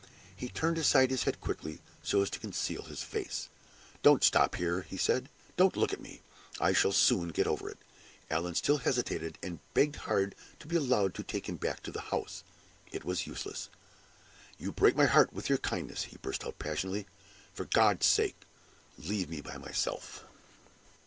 He turned aside his head quickly so as to conceal his face. "Don't stop here," he said; "don't look at me; I shall soon get over it." Allan still hesitated, and begged hard to be allowed to take him back to the house. It was useless. "You break my heart with your kindness," he burst out, passionately. "For God's sake, leave me by my self!"